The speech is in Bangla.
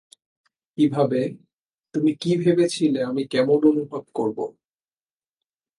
কিভাবে-- তুমি কি ভেবেছিলে আমি কেমন অনুভব করব?